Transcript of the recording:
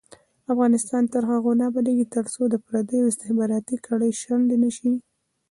افغانستان تر هغو نه ابادیږي، ترڅو د پردیو استخباراتي کړۍ شنډې نشي.